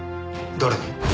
誰に？